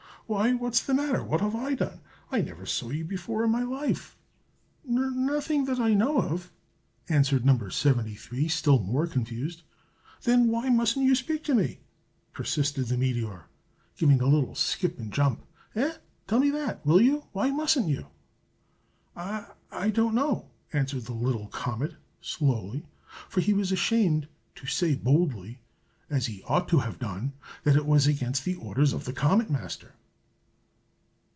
"Why, what's the matter? What have I done? I never saw you before in my life." "N nothing that I know of," answered No. 73, still more confused. "Then why mustn't you speak to me?" persisted the meteor, giving a little skip and jump. "Eh? tell me that, will you? Why mustn't you?" "I don't know!" answered the little comet, slowly, for he was ashamed to say boldly, as he ought to have done, that it was against the orders of the Comet Master.